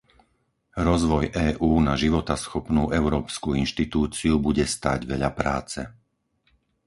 Rozvoj EÚ na životaschopnú európsku inštitúciu bude stáť veľa práce.